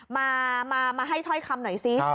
มาให้ถ้อยคำหน่อยซิ